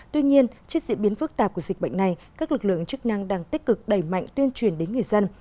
tuy nhiên trước diễn biến phức tạp của dịch bệnh này các lực lượng chức năng đang tích cực đẩy mạnh tuyên truyền đến người dân